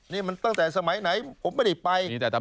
นี่มันตั้งแต่สมัยไหนผมไม่ได้ไป